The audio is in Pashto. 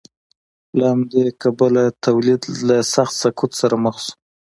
له همدې کبله تولید له سخت سقوط سره مخ شو.